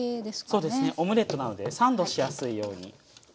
そうですねオムレットなのでサンドしやすいように。